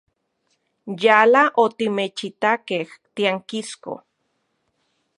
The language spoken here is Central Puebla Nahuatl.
Yala otimechitakej tiankisko.